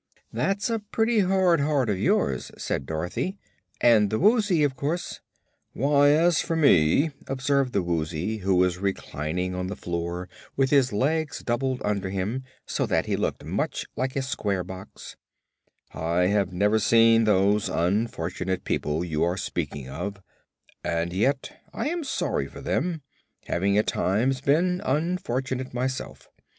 "That's a pretty hard heart of yours," said Dorothy. "And the Woozy, of course " "Why, as for me," observed the Woozy, who was reclining on the floor with his legs doubled under him, so that he looked much like a square box, "I have never seen those unfortunate people you are speaking of, and yet I am sorry for them, having at times been unfortunate myself.